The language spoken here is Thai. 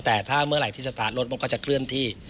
แต่ถ้าเมื่อไหร่ที่สตาร์ทรถมันก็จะเคลื่อนที่